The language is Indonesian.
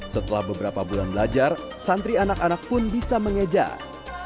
setelah beberapa bulan belajar santri anak anak pun bisa mengejar